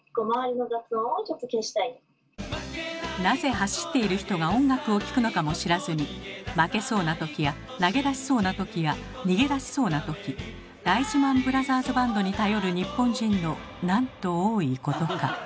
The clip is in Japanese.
なぜ走っている人が音楽を聴くのかも知らずに負けそうな時や投げ出しそうな時や逃げ出しそうな時大事ＭＡＮブラザーズバンドに頼る日本人のなんと多いことか。